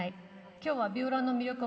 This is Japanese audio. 今日はヴィオラの魅力を。